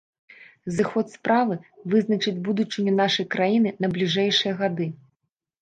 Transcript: Зыход справы вызначыць будучыню нашай краіны на бліжэйшыя гады.